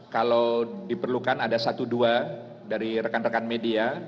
kalau diperlukan ada satu dua dari rekan rekan media